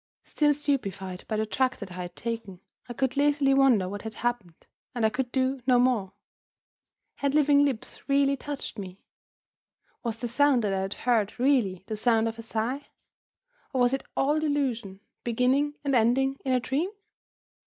Still stupefied by the drug that I had taken, I could lazily wonder what had happened, and I could do no more. Had living lips really touched me? Was the sound that I had heard really the sound of a sigh? Or was it all delusion, beginning and ending in a dream?